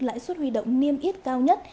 lãi suất huy động niêm yết cao nhất